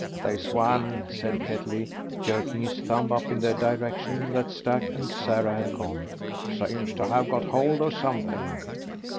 "This one," said Ketley, jerking his thumb in the direction that Stack and Sarah had gone, "seems to 'ave got hold of something."